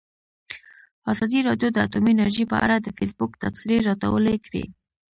ازادي راډیو د اټومي انرژي په اړه د فیسبوک تبصرې راټولې کړي.